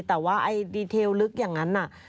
แต่ว่าดีเทลลึกอย่างนั้น